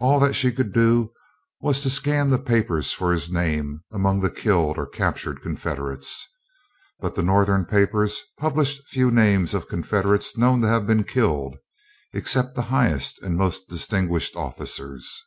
All that she could do was to scan the papers for his name among the killed or captured Confederates. But the Northern papers published few names of Confederates known to have been killed, except the highest and most distinguished officers.